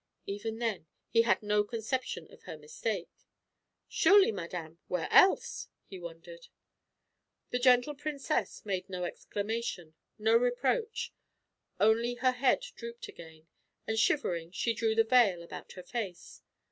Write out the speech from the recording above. Even then he had no conception of her mistake. "Surely, madame; where else?" he wondered. The Gentle Princess made no exclamation, no reproach. Only her head drooped again, and shivering she drew the veil about her face.